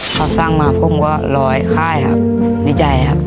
ทะสัง่มาพรุ่งแหล่วร้อยค่ายครับดีใจครับ